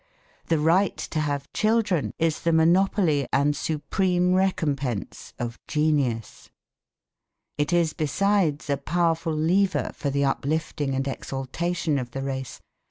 The right to have children is the monopoly and supreme recompense of genius. It is besides a powerful lever for the uplifting and exaltation of the race.